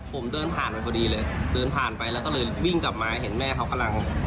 ผมเดินผ่านไปพอดีเลยเดินผ่านไปแล้วก็เลยวิ่งกลับมาเห็นแม่เขากำลัง